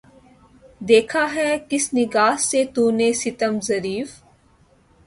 دیکھا ہے کس نگاہ سے تو نے ستم ظریف